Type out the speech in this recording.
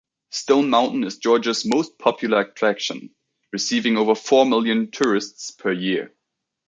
Stone Mountain is Georgia's "most popular attraction"; receiving over four million tourists per year.